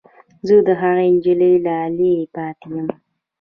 زه د هغې نجلۍ لالی پاتې یم